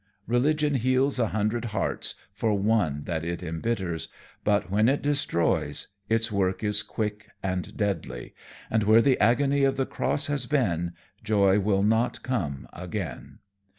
Religion heals a hundred hearts for one that it embitters, but when it destroys, its work is quick and deadly, and where the agony of the cross has been, joy will not come again.